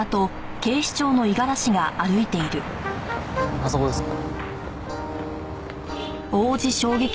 あそこですね。